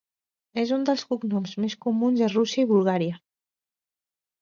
És un dels cognoms més comuns a Rússia i Bulgària.